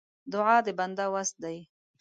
دعا د بنده وس دی.